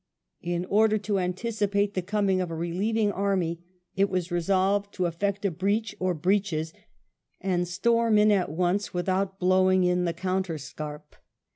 In order to anticipate the coming of a relieving army, it was resolved to effect a breach or breaches and storm in at once without blowing in the counterscarp.